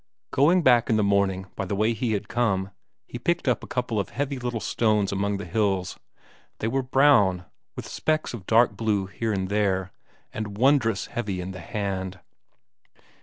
Going back in the morning by the way he had come, he picked up a couple of the heavy little stones among the hills; they were brown, with specks of dark blue here and there, and wondrous heavy in the hand.